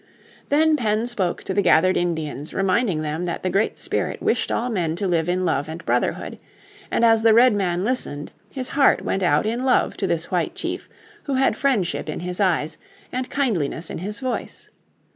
Then Penn spoke to the gathered Indians reminding them that the Great Spirit wished all men to live in love and brotherhood, and as the Redman listened his heart went out in love to this White Chief who had friendship in his eyes, and kindliness in his voice.